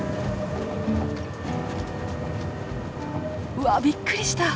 うわびっくりした！